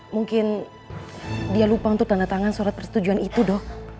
mungkin dia lupa untuk tanda tangan surat persetujuan itu dok